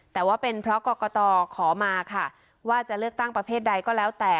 แต่ว่าเป็นเพราะกรกตขอมาค่ะว่าจะเลือกตั้งประเภทใดก็แล้วแต่